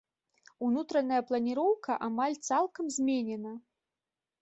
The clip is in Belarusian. Унутраная планіроўка амаль цалкам зменена.